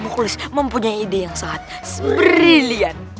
ambo kulis mempunyai ide yang sangat brilian